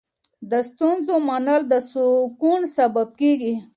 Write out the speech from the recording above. د ستونزو منل د سکون سبب کېږي.